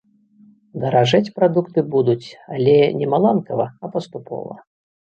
Даражэць прадукты будуць, але не маланкава, а паступова.